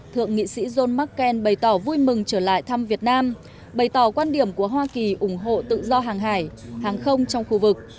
thượng nghị sĩ john mccain bày tỏ vui mừng trở lại thăm việt nam bày tỏ quan điểm của hoa kỳ ủng hộ tự do hàng hải hàng không trong khu vực